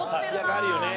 あるよね。